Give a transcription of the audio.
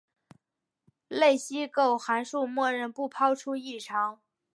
类析构函数默认不抛出异常。